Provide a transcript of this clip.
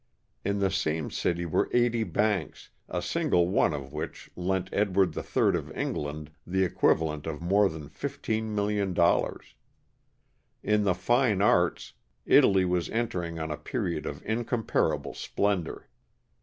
In the same city were eighty banks, a single one of which lent Edward III of England the equivalent of more than $15,000,000. In the fine arts, Italy was entering on a period of incomparable splendor.